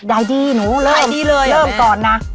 ได้ดีหนูเริ่มก่อนนะได้ดีเลยเหรอแม่